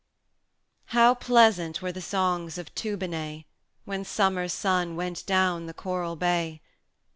I. How pleasant were the songs of Toobonai, When Summer's Sun went down the coral bay!